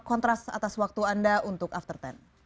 kontras atas waktu anda untuk after sepuluh